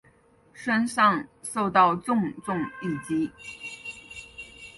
身上受到重重一击